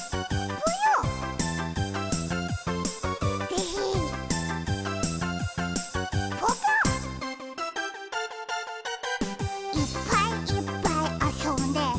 ぽぽ「いっぱいいっぱいあそんで」